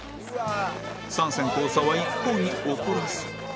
３線交差は一向に起こらず